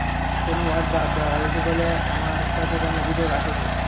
কোনো ওয়ার্ড বাদ দেওয়া হয়েছে বলে আমার কাছে কোনো অভিযোগ আসেনি।